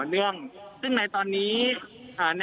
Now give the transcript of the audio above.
เหลือเพียงกลุ่มเจ้าหน้าที่ตอนนี้ได้ทำการแตกกลุ่มออกมาแล้วนะครับ